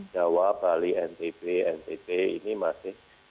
jawa bali ntp ntp ini masih